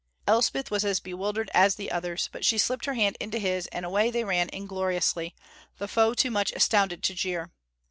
Elspeth was as bewildered as the others, but she slipped her hand into his and away they ran ingloriously, the foe too much astounded to jeer.